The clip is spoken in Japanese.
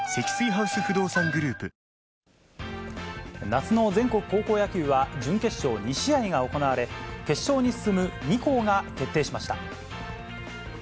夏の全国高校野球は準決勝２試合が行われ、決勝に進む２校が決定しました。